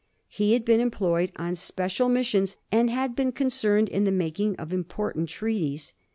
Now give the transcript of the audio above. He had been employed on special missions and had been concerned in the making of important treaties.